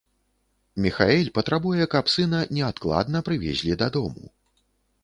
Міхаэль патрабуе, каб сына неадкладна прывезлі дадому.